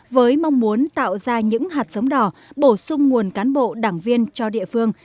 với mong muốn tạo ra những hạt giống đỏ bổ sung nguồn cán bộ đảng viên cho địa phương